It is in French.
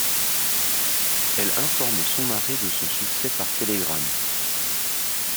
Elle informe son mari de son succès par télégramme.